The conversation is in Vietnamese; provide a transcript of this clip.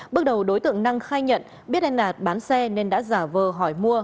bước đầu đối tượng năng khai nhận biết anh đạt bán xe nên đã giả vờ hỏi mua